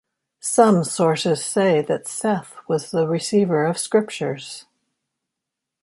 Some sources say that Seth was the receiver of scriptures.